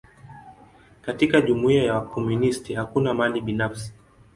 Katika jumuia ya wakomunisti, hakuna mali binafsi.